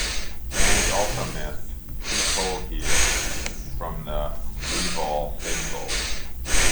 Fans also missed "Too Cold Here" from the "Revol" single.